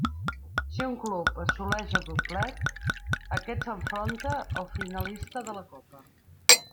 Si un club assoleix el doblet, aquest s'enfronta al finalista de la copa.